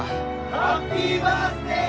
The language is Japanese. ハッピーバースデー！